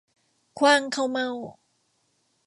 ขว้างข้าวเม่า